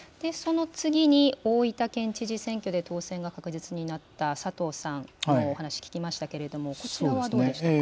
その次に大分県知事選挙で当選が確実になった、佐藤さんのお話聞きましたけれども、こちらはどうでしたか？